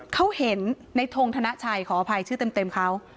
เขาเห็นในทงธนชัยขออภัยชื่อเต็มเขา